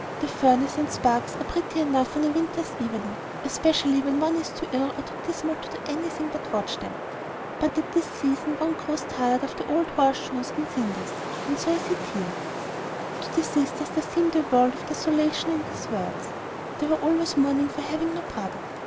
The furnace and sparks are pretty enough on a winter's evening, especially when one is too ill or too dismal to do anything but watch them; but at this season one grows tired of old horse shoes and cinders; and so I sit here." To the sisters there seemed a world of desolation in these words. They were always mourning for having no brother.